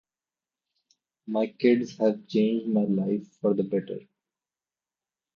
My kids have changed my life for the better.